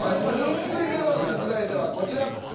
続いての出題者はこちら。